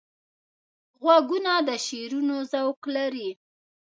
غوږونه د شعرونو ذوق لري